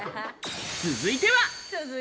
続いては。